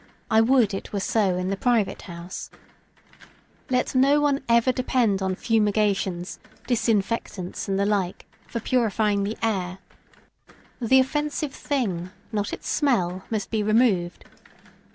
I would it were so in the private house. [Sidenote: Fumigations.] Let no one ever depend upon fumigations, "disinfectants," and the like, for purifying the air. The offensive thing, not its smell, must be removed.